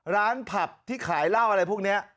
ร้านผับที่ขายร่าวอะไรพวกเนี่ย